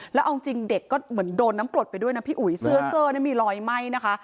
แล้วเอาจริงเด็กก็เหมือนโดนน้ำกรดไปด้วยนะพี่อุ๋ยเสื้อเซอร์นี่มีรอยไหม้นะคะ